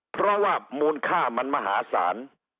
เพราะว่ามูลค่ามันมหาศาล